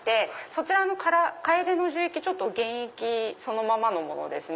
そちらのカエデの樹液原液そのままのものですね。